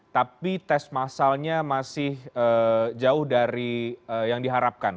tapi tes masalnya masih jauh dari yang diharapkan